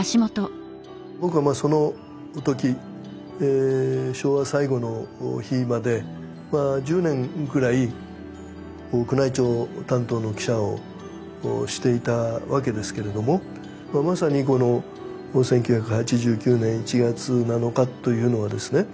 僕はそのとき昭和最後の日まで１０年ぐらい宮内庁担当の記者をしていたわけですけれどもまさにこの１９８９年１月７日というのはですね